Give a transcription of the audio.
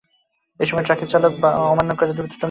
এ সময় ট্রাকের চালক তা অমান্য করে দ্রুত টঙ্গীর দিকে যেতে থাকেন।